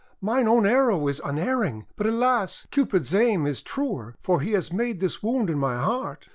Mine own arrow is unerring; but, alas! Cupid's aim is truer, for he has made this wound in my heart!